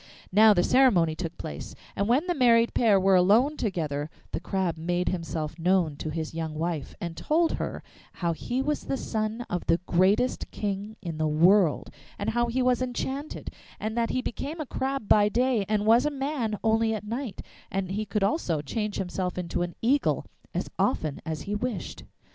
Now the ceremony took place, and when the married pair were alone together the Crab made himself known to his young wife, and told her how he was the son of the greatest king in the world, and how he was enchanted, so that he became a crab by day and was a man only at night; and he could also change himself into an eagle as often as he wished.